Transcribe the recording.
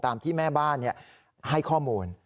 ตามที่แม่บ้านให้ข้อมูล